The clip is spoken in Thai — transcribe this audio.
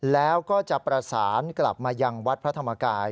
แล้วก็จะประสานกลับมายังวัดพระธรรมกาย